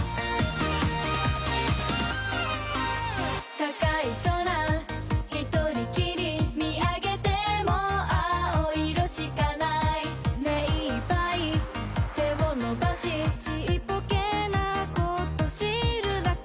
「高い空ひとりきり見上げても青色しかない」「めいっぱい手を伸ばしちっぽけなこと知るだけ」